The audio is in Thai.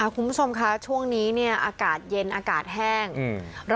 คุณผู้ชมคะช่วงนี้เนี่ยอากาศเย็นอากาศแห้ง